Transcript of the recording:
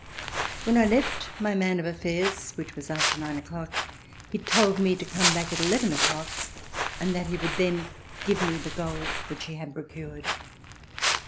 When I left my man of affairs, which was after nine o'clock, he told me to come back at eleven o'clock and that he would then give me the gold which he had procured.